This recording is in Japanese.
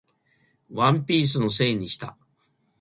ワンピースのせいにした